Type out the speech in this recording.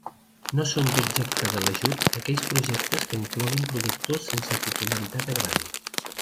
No són objecte de l'ajut aquells projectes que incloguin productors sense titularitat agrària.